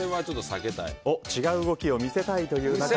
違う動きを見せたいという。